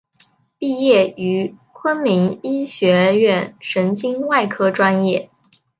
毕业于昆明医学院神经外科专业。